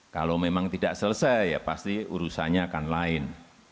kalau memang tidak selesai ya pasti urusannya akan lain